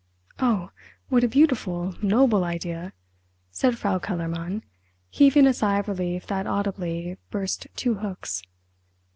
"Oh, what a beautiful, noble idea!" said Frau Kellermann, heaving a sigh of relief that audibly burst two hooks.